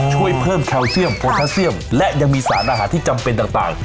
ช่วยเพิ่มแคลเซียมโฟัสเซียมและยังมีสารอาหารที่จำเป็นต่าง